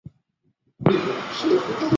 汉高祖刘邦曾在秦时担任泗水亭亭长。